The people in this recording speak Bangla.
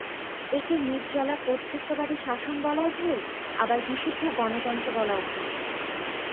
একে নির্জলা কর্তৃত্ববাদী শাসন বলাও ভুল, আবার বিশুদ্ধ গণতন্ত্র বলাও ভুল।